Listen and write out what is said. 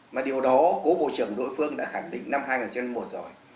mà điều đó cố bộ trưởng đội phương đã khẳng định năm hai nghìn một rồi